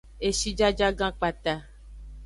Eshijajagan kpata.